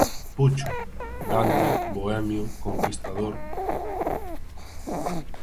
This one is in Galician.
Pucho: dandi, bohemio, conquistador...